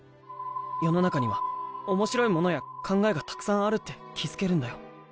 世の中には面白いものや考えがたくさんあるって気付けるんだよ。